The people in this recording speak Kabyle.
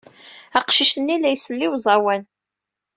Aqcic-nni la isell i uẓawan.